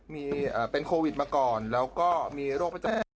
มีเป็นโควิดมาก่อนแล้วก็มีโรคประจำตัว